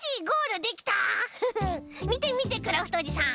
みてみてクラフトおじさん。